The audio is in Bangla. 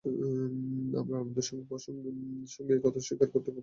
আমরা আনন্দের সঙ্গে এ কথা স্বীকার করতে খুব প্রস্তুত আছি।